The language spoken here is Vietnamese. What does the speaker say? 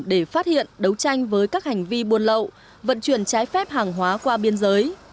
để phát hiện đấu tranh với các hành vi buôn lậu vận chuyển trái phép hàng hóa qua biên giới